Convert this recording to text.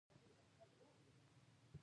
د بلوشفټ نږدې شیان ښيي.